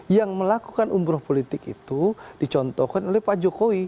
yang melakukan umroh politik itu dicontohkan oleh pak jokowi